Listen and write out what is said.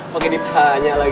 pokoknya ditanya lagi